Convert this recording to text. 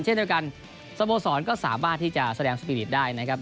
เช่นโดยกันสโบสรก็สามารถที่จะแสดงสติฤทธิ์ได้นะครับ